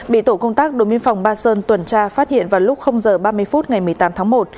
bị tổ công tác đồn biên phòng ba sơn tuần tra phát hiện vào lúc h ba mươi phút ngày một mươi tám tháng một